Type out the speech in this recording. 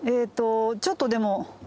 ちょっとでも。